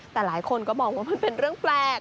แต่หลายคนก็มองว่ามันเป็นเรื่องแปลก